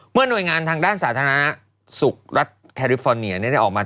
หน่วยงานทางด้านสาธารณสุขรัฐแคริฟอร์เนียได้ออกมา